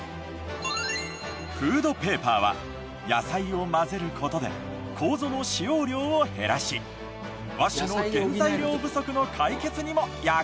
フードペーパーは野菜を混ぜる事で楮の使用量を減らし和紙の原材料不足の解決にも役立っているという。